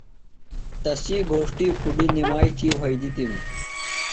تسی گھوݜٹی کُڈیۡ نِمائی تھی وھئیدِتِم۔